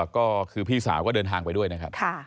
ก็คือพี่สาวก็เดินทางไปด้วยนะครับ